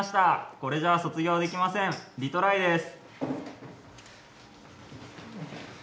これじゃあ卒業できませんリトライです。